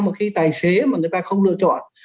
mà khi tài xế mà người ta không lựa chọn